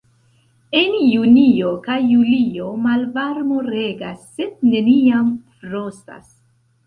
En junio kaj julio malvarmo regas, sed neniam frostas.